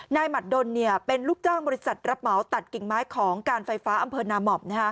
หมัดดนเป็นลูกจ้างบริษัทรับเหมาตัดกิ่งไม้ของการไฟฟ้าอำเภอนาม่อม